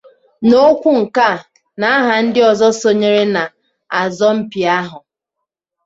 N'okwu nke ya n'aha ndị ọzọ sonyere n'asọmpi ahụ